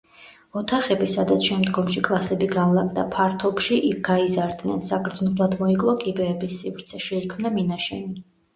ოთახები, სადაც შემდგომში კლასები განლაგდა, ფართობში გაიზარდნენ, საგრძნობლად მოიკლო კიბეების სივრცე, შეიქმნა მინაშენი.